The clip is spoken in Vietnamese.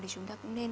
thì chúng ta cũng nên